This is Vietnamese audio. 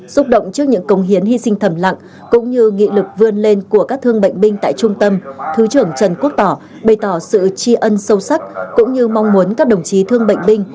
xúc động trước những công hiến hy sinh thầm lặng cũng như nghị lực vươn lên của các thương bệnh binh tại trung tâm thứ trưởng trần quốc tỏ bày tỏ sự tri ân sâu sắc cũng như mong muốn các đồng chí thương bệnh binh